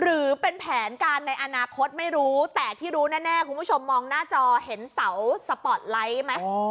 หรือเป็นแผนการในอนาคตไม่รู้แต่ที่รู้แน่คุณผู้ชมมองหน้าจอเห็นเสาสปอร์ตไลท์ไหม